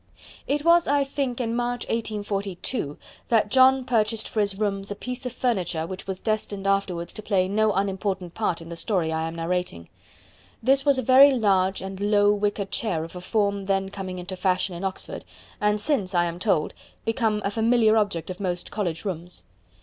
It was, I think, in March 1842 that John purchased for his rooms a piece of furniture which was destined afterwards to play no unimportant part in the story I am narrating. This was a very large and low wicker chair of a form then coming into fashion in Oxford, and since, I am told, become a familiar object of most college rooms.